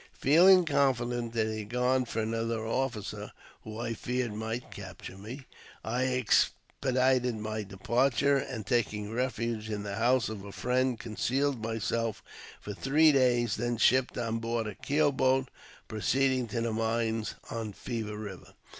Feeling confident that he had gone for another officer, who I feared might capture me, I expedited my departure, and, taking refuge in the house of a friend, concealed myself for three days, and then shipped on board a keel boat, proceeding to the mines on Fever Eiver.